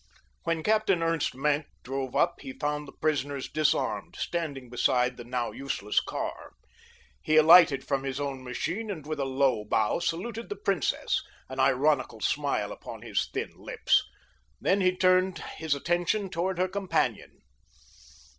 When Captain Ernst Maenck drove up he found the prisoners disarmed, standing beside the now useless car. He alighted from his own machine and with a low bow saluted the princess, an ironical smile upon his thin lips. Then he turned his attention toward her companion.